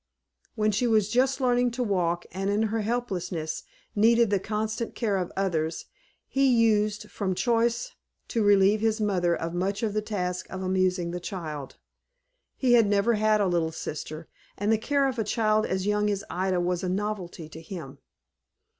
When she was just learning to walk, and in her helplessness needed the constant care of others, he used, from choice, to relieve his mother of much of the task of amusing the child. He had never had a little sister, and the care of a child as young as Ida was a novelty to him.